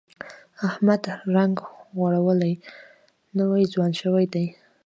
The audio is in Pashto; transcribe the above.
احمد رنګ غوړولی، نوی ځوان شوی دی.